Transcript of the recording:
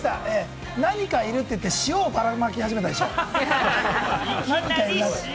何かいるって言って、塩をバラマキ始めたでしょ？